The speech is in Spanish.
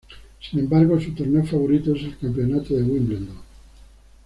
Sin embargo su torneo favorito es el Campeonato de Wimbledon.